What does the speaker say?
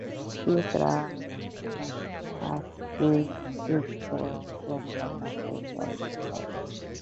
This drug has been withdrawn from the market in India.